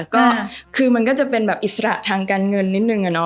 ก็คือมันก็จะเป็นแบบอิสระทางการเงินนิดนึงอะเนาะ